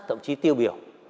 thậm chí tiêu biểu